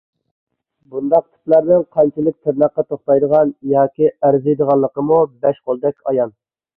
بۇنداق تىپلارنىڭ قانچىلىك تىرناققا توختايدىغان ياكى ئەرزىيدىغانلىقىمۇ بەش قولدەك ئايان.